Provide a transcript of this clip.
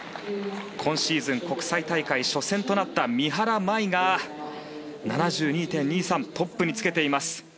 今シーズン国際大会初戦となった三原舞依が７２．２３トップにつけています。